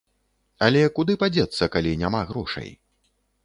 Але куды падзецца, калі няма грошай?